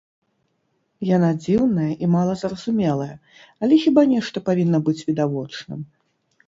Яна дзіўная і мала зразумелая, але хіба нешта павінна быць відавочным?